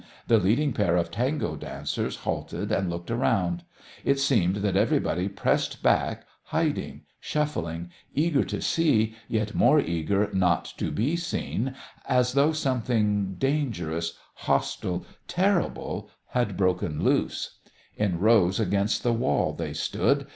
The leading pair of tango dancers halted and looked round. It seemed that everybody pressed back, hiding, shuffling, eager to see, yet more eager not to be seen, as though something dangerous, hostile, terrible, had broken loose. In rows against the wall they stood.